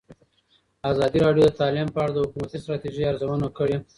ازادي راډیو د تعلیم په اړه د حکومتي ستراتیژۍ ارزونه کړې.